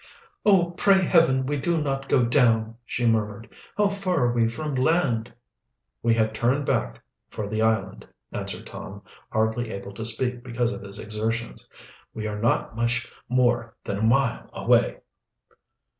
"Oh, pray Heaven we do not go down!" she murmured. "How far are we from land?" "We have turned back for the island," answered Tom, hardly able to speak because of his exertions. "We are not much more than a mile away."